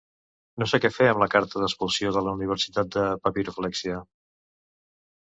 No sé què fer amb la carta d’expulsió de la universitat de papiroflèxia.